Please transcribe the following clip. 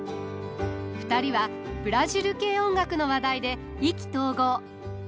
２人はブラジル系音楽の話題で意気投合。